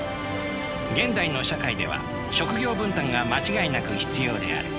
現代の社会では職業分担が間違いなく必要である。